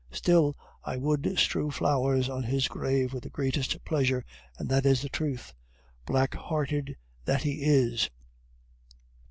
Still, I would strew flowers on his grave with the greatest pleasure, and that is the truth. Black hearted, that he is!